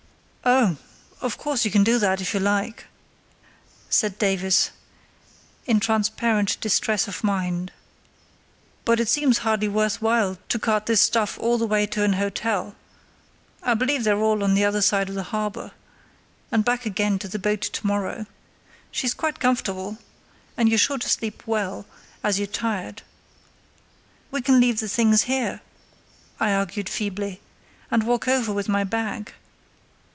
"Oh, of course you can do that, if you like," said Davies, in transparent distress of mind. "But it seems hardly worth while to cart this stuff all the way to an hotel (I believe they're all on the other side of the harbour), and back again to the boat to morrow. She's quite comfortable, and you're sure to sleep well, as you're tired." "We can leave the things here," I argued feebly, "and walk over with my bag."